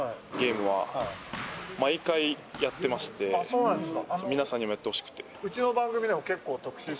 そうなんですか。